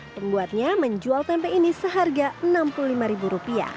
pembuatnya menjual tempe ini seharga rp enam puluh lima